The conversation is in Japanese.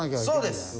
そうです。